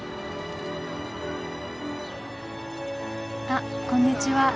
あっこんにちは。